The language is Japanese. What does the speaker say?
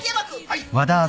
はい！